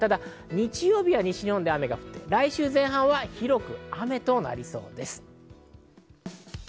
ただ日曜日は西日本で雨が降って、来週前半は広く雨となりそうです。